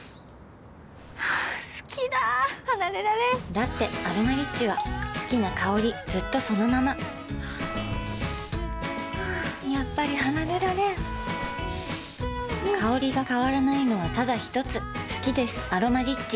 好きだ離れられんだって「アロマリッチ」は好きな香りずっとそのままやっぱり離れられん香りが変わらないのはただひとつ好きです「アロマリッチ」